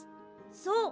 そう。